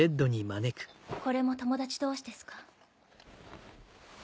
これも「友達同士」ですか？